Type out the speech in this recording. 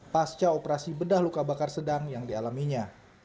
pasca operasi bedah luka bakar sedang yang dialaminya